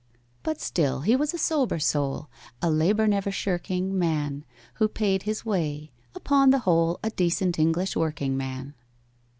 But still he was a sober soul, A labour never shirking man, Who paid his way—upon the whole A decent English working man.